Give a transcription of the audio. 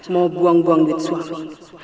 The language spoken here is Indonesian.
mau buang buang gitu suami